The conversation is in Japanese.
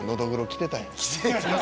「着てた！」